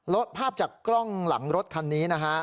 ภาพจากกล้องหลังรถคันนี้นะฮะ